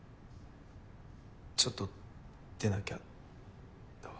ちょっと出なきゃだわ。